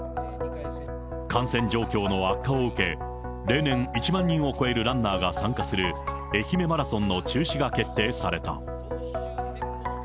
感染状況の悪化を受け、例年１万人を超えるランナーが参加する愛媛マラソンの中止が決定された。